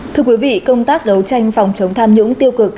thưa quý vị công tác đấu tranh phòng chống tham nhũng tiêu cực